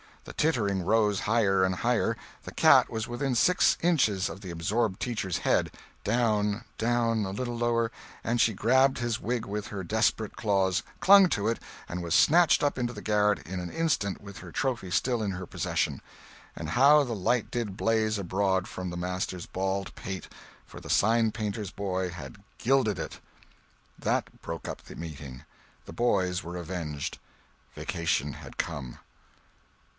The tittering rose higher and higher—the cat was within six inches of the absorbed teacher's head—down, down, a little lower, and she grabbed his wig with her desperate claws, clung to it, and was snatched up into the garret in an instant with her trophy still in her possession! And how the light did blaze abroad from the master's bald pate—for the signpainter's boy had gilded it! That broke up the meeting. The boys were avenged. Vacation had come.